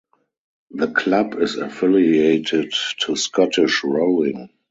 The club is affiliated to Scottish Rowing.